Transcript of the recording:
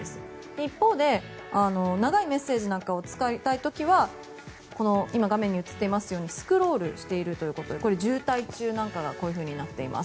一方で長いメッセージなんかを使いたい時は今、画面に映っているようにスクロールしていましてこれ、「渋滞中」なんかがこういうふうになっています。